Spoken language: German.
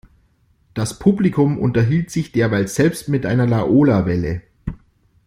Das Publikum unterhielt sich derweil selbst mit einer Laola-Welle.